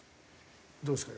どうですか？